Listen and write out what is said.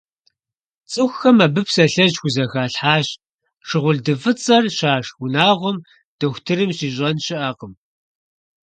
ЦӀыхухэм абы псалъэжь хузэхалъхьащ: «Шыгъулды фӀыцӀэр щашх унагъуэм дохутырым щищӀэн щыӀэкъым».